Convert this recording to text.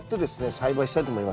栽培したいと思います。